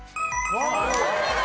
お見事！